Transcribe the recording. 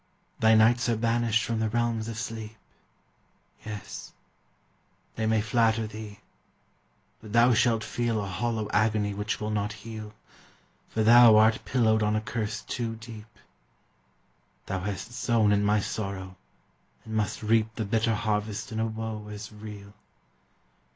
Thy nights are banished from the realms of sleep: Yes! they may flatter thee, but thou shall feel A hollow agony which will not heal, For thou art pillowed on a curse too deep; Thou hast sown in my sorrow, and must reap The bitter harvest in a woe as real!